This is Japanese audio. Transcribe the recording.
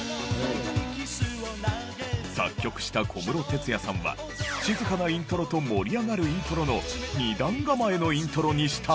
作曲した小室哲哉さんは静かなイントロと盛り上がるイントロの２段構えのイントロにしたんだそう。